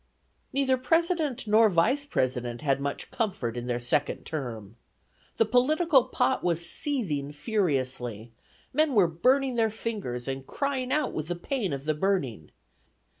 Neither President nor Vice President had much comfort in their second term. The political pot was seething furiously; men were burning their fingers, and crying out with pain of the burning.